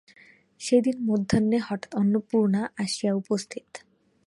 সেইদিন মধ্যাহ্নে হঠাৎ অন্নপূর্ণা আসিয়া উপস্থিত।